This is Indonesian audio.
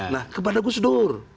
nah kepada gus dur